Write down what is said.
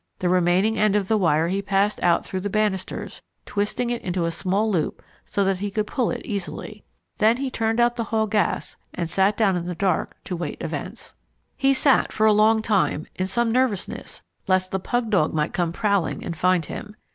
The remaining end of the wire he passed out through the banisters, twisting it into a small loop so that he could pull it easily. Then he turned out the hall gas and sat down in the dark to wait events. He sat for a long time, in some nervousness lest the pug dog might come prowling and find him.